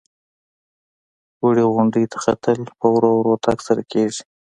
لوړې غونډۍ ته ختل په ورو ورو تګ سره کېږي.